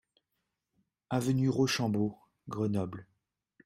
Avenue Rochambeau, Grenoble